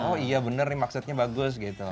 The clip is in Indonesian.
oh iya bener nih maksudnya bagus gitu